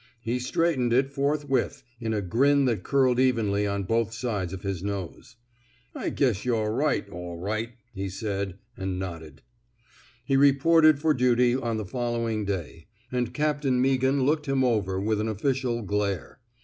He straight ened it forthwith, in a grin that curled evenly on both sides of his nose. I guess yuh're right, all right, he said, and nodded. He reported for duty on the following day, and Captain Meaghan looked him over with an official glare.